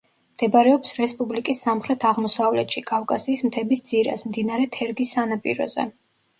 მდებარეობს რესპუბლიკის სამხრეთ-აღმოსავლეთში კავკასიის მთების ძირას, მდინარე თერგის სანაპიროზე.